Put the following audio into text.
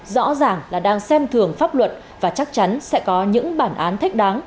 rõ ràng là đang xem thường pháp luật và chắc chắn sẽ có những bản án thích đáng